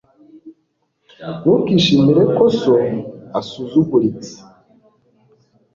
ntukishimire ko so asuzuguritse